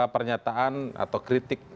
pernyataan atau kritik